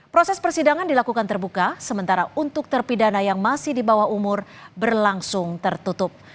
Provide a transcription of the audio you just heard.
proses persidangan dilakukan terbuka sementara untuk terpidana yang masih di bawah umur berlangsung tertutup